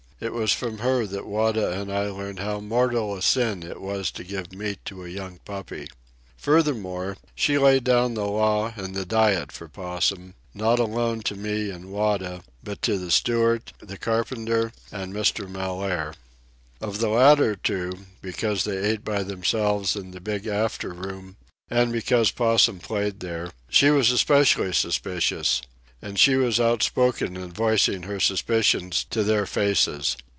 It was from her that Wada and I learned how mortal a sin it was to give meat to a young puppy. Furthermore, she laid down the law and the diet for Possum, not alone to me and Wada, but to the steward, the carpenter, and Mr. Mellaire. Of the latter two, because they ate by themselves in the big after room and because Possum played there, she was especially suspicious; and she was outspoken in voicing her suspicions to their faces.